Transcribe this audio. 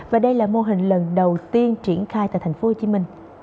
và đây là mô hình lần đầu tiên triển khai tại tp hcm